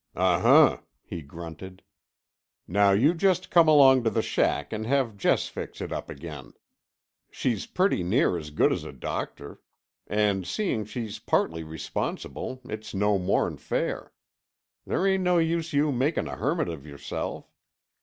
"Uh huh," he grunted. "Now you just come along to the shack and have Jess fix it up again. She's pretty near as good as a doctor. And seein' she's partly responsible, it's no more'n fair. There ain't no use you makin' a hermit of yourself."